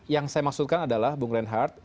yang saya maksudkan adalah bung reinhardt